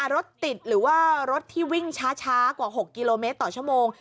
รถติดหรือว่ารถที่วิ่งช้ากว่า๖กิโลเมตรต่อชั่วโมง